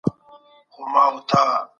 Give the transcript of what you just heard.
آيا هر عمل غبرګون لري؟